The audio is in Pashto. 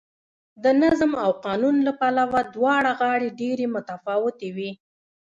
د نظم او قانون له پلوه دواړه غاړې ډېرې متفاوتې وې